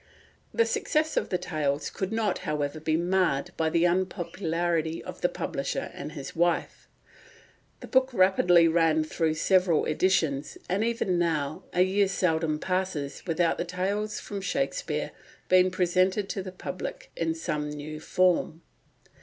The success of the Tales could not, however, be marred by the unpopularity of the publisher and his wife. The book rapidly ran through several editions, and even now a year seldom passes without the Tales from Shakespeare being presented to the public in some new form.